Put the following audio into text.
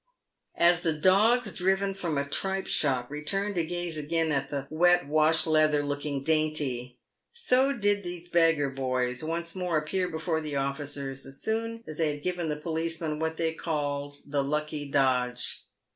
As the dogs driven from a tripe shop return to gaze again at the wet washleather looking dainty, so did these beggar boys once more appear before the officers as soon as they had given the policeman what they called the "lucky dodge."